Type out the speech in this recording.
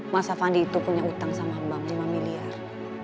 mas avandi itu punya utang sama mbak lima miliar